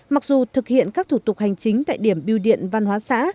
mặc dù thực hiện các thủ tục hành chính tại điểm biêu điện văn hóa xã